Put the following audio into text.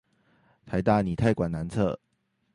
臺大凝態館南側